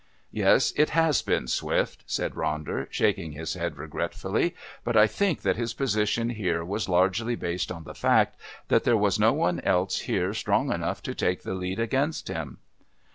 "Yes, it has been swift," said Ronder, shaking his head regretfully, "but I think that his position here was largely based on the fact that there was no one else here strong enough to take the lead against him.